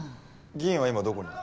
議員は今どこに？